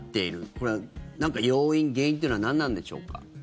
これは要因、原因というのは何なんでしょうか。